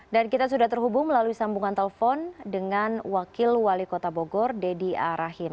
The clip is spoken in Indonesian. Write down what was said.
dan kita sudah terhubung melalui sambungan telepon dengan wakil wali kota bogor dedy a rahim